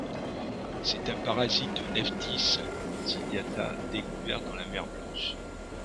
C'est un parasite de Nephthis ciliata découvert dans la mer Blanche.